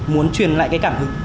muốn truyền lại cái cảm hứng